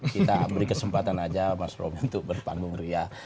kita beri kesempatan aja mas romi untuk berpanggung ria